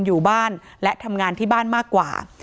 อยู่บ้านและทำงานที่บ้านมากกว่า